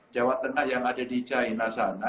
jawa tengah yang ada di china sana